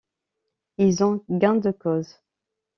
Ils ont gain de cause.